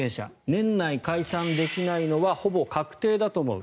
年内解散できないのはほぼ確定だと思う。